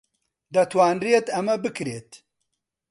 دەتوانرێت ئەمە بکرێت.